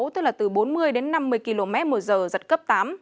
tức là từ bốn mươi đến năm mươi km một giờ giật cấp tám